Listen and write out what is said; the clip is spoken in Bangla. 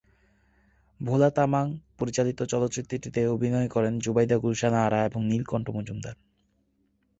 ভোলা তামাং পরিচালিত চলচ্চিত্রটিতে অভিনয় করেন জুবাইদা গুলশান আরা এবং নীলকণ্ঠ মজুমদার।